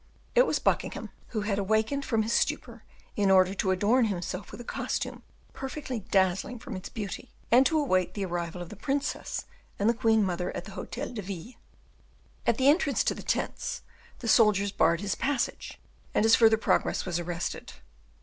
It was Buckingham, who had awakened from his stupor, in order to adorn himself with a costume perfectly dazzling from its beauty, and to await the arrival of the princess and the queen mother at the Hotel de Ville. At the entrance to the tents, the soldiers barred his passage, and his further progress was arrested.